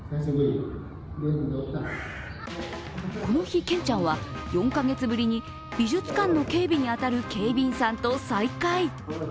この日、ケンちゃんは４カ月ぶりに美術館の警備に当たる警備員さんと再会。